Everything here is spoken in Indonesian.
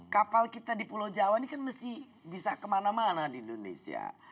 kapal kita di pulau jawa ini kan mesti bisa kemana mana di indonesia